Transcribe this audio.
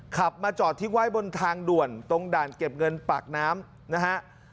ขับมาจอดทิ้งไว้บนทางด่วนตรงด่านเก็บเงินปากน้ำนะฮะ